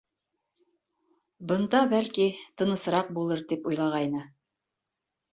Бында, бәлки, тынысыраҡ булыр, тип уйлағайны.